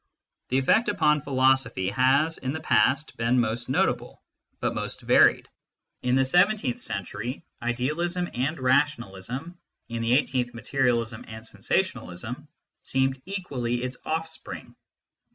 The effect upon philosophy has, in the past, been most notable, but most varied ; in the seven teenth century, idealism and rationalism, in the eigh teenth, materialism and sensationalism, seemed equally its offspring.